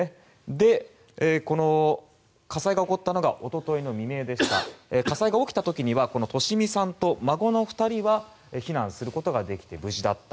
で、火災が起こったのが一昨日未明で火災が起きた時は利美さんと孫の２人は避難することができて無事だった。